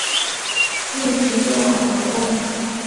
台湾外交是指台湾在国际社会所进行之对外活动。